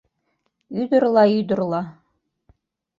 Ӱдырла-ӱдырла